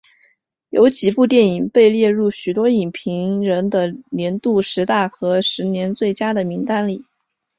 有几部电影被列入许多影评人的年度十大和十年最佳的名单里。